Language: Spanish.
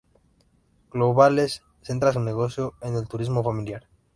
Globales centra su negocio en el turismo familiar.